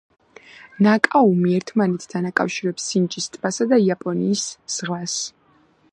ნაკაუმი ერთმანეთთან აკავშირებს სინჯის ტბასა და იაპონიის ზღვას.